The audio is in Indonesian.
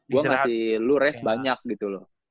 gue kasih lu rest banyak gitu loh